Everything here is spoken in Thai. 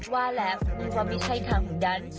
ว่าแล้วนี่คือไม่ใช่คำดัน